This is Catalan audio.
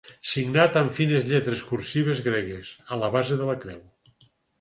Signat amb fines lletres cursives gregues, a la base de la Creu.